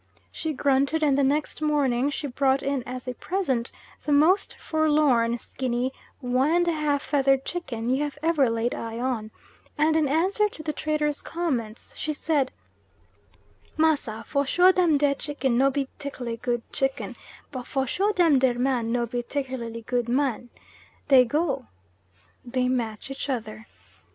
She grunted and the next morning she brings in as a present the most forlorn, skinny, one and a half feathered chicken you ever laid eye on, and in answer to the trader's comments she said: "Massa, fo sure them der chicken no be 'ticularly good chicken, but fo sure dem der man no be 'ticularly good man. They go" (they match each other).